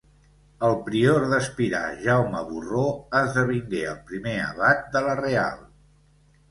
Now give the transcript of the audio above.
El prior d'Espirà, Jaume Borró, esdevingué el primer abat de la Real.